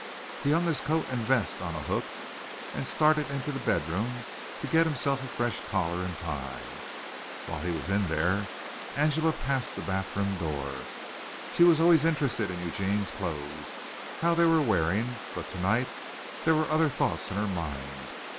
He hung his coat and vest on a hook and started into the bedroom to get himself a fresh collar and tie. While he was in there Angela passed the bathroom door. She was always interested in Eugene's clothes, how they were wearing, but tonight there were other thoughts in her mind.